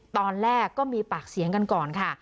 ตอนแรกก็มีปากเสียงกันก่อนค่ะ